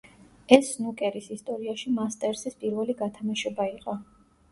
ეს სნუკერის ისტორიაში მასტერსის პირველი გათამაშება იყო.